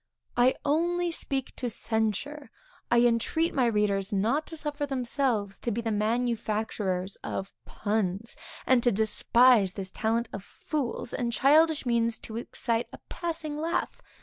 I only speak to censure; I entreat my readers not to suffer themselves to be the manufacturers of puns, and to despise this talent of fools and childish means to excite a passing laugh.